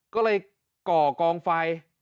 ก็เลยก่อกองไฟ